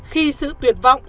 khi sự tuyệt vọng